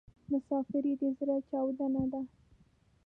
مسافري د ﺯړه چاودون ده